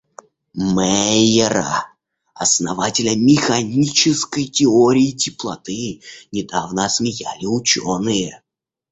Мейера, основателя механической теории теплоты, недавно осмеяли ученые.